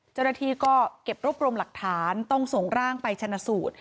เจ้าหน้าที่ก็เก็บรวบรวมหลักฐานต้องส่งร่างไปชนะสูตร